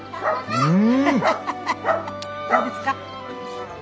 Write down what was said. うん。